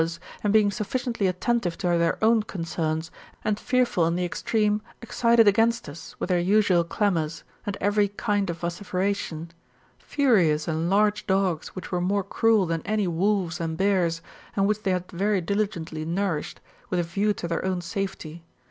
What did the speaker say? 132 THE METAMORPHOSIS, OR and being sufficiently attentiTe to their own concerns, and fearful in the extreme, excited against us, with their usual clamours, and every kind of vociferation, furious and large dogs, which were more cruel than any wolves and bears, and which they had very diligently nourished, with a view to their own safety.